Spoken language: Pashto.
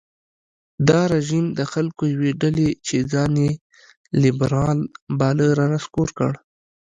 دا رژیم د خلکو یوې ډلې چې ځان یې لېبرال باله رانسکور کړ.